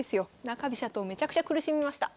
中飛車党めちゃくちゃ苦しみました。